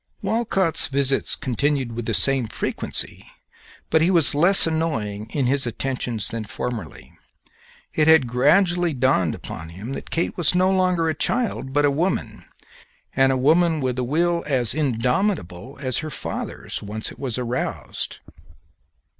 Walcott's visits continued with the same frequency, but he was less annoying in his attentions than formerly. It had gradually dawned upon him that Kate was no longer a child, but a woman; and a woman with a will as indomitable as her father's once it was aroused.